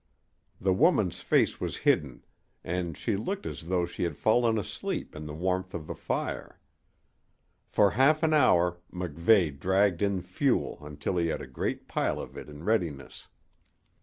The woman's face was hidden, and she looked as though she had fallen asleep in the warmth of the fire. For half an hour Mac Veigh dragged in fuel until he had a great pile of it in readiness.